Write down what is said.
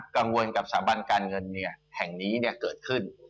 กังวลกับสถาบันการเงินแห่งนี้เกิดขึ้น